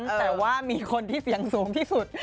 แต่ว่ามีคนที่เสี่ยงสูงที่สุด